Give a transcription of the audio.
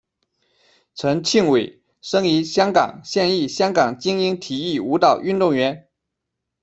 陈庆玮，生于香港，现役香港精英体育舞蹈运动员。